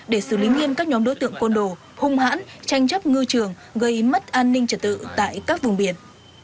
để xử lý nghiêm các nhóm đối tượng côn đồ hung hãn tranh chấp ngư trường gây mất an ninh trật tự tại các vùng biển